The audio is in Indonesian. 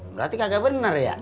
berarti kagak bener ya